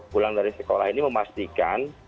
pulang dari sekolah ini memastikan